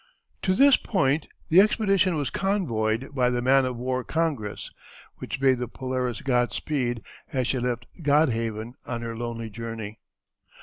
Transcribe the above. To this point the expedition was convoyed by the man of war Congress, which bade the Polaris Godspeed as she left Godhaven on her lonely journey.